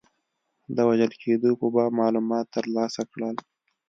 د وژل کېدلو په باب معلومات ترلاسه کړل.